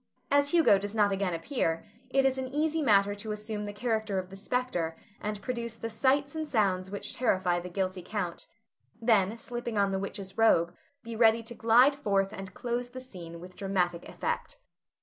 As Hugo does not again appear, it is an easy matter to assume the character of the spectre and produce the sights and sounds which terrify the guilty Count; then slipping on the witch's robe, be ready to glide forth and close the scene with dramatic effect.